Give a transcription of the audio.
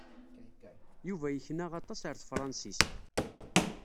Yuba yekna aṭas ɣer tefṛensist.